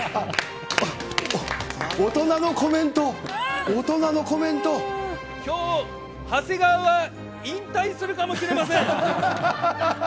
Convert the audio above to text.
大人のコメント、大人のコメきょう、長谷川は引退するかもしれません。